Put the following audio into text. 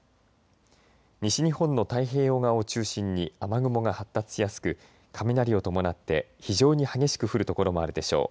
西日本の太平洋側を中心に雨雲が発達しやすく雷を伴って非常に激しく降る所もあるでしょう。